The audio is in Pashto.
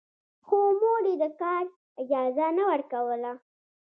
خو مور يې د کار اجازه نه ورکوله.